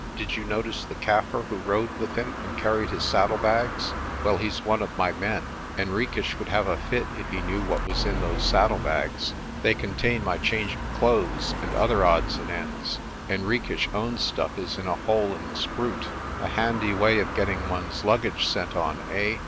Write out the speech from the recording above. "Did you notice the Kaffir who rode with him and carried his saddlebags? Well, he's one of my men. Henriques would have a fit if he knew what was in those saddlebags. They contain my change of clothes, and other odds and ends. Henriques' own stuff is in a hole in the spruit. A handy way of getting one's luggage sent on, eh?